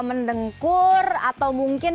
mendengkur atau mungkin